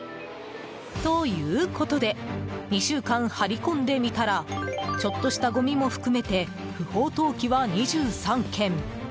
ということで２週間張り込んでみたらちょっとしたごみも含めて不法投棄は２３件。